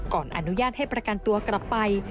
อนุญาตให้ประกันตัวกลับไป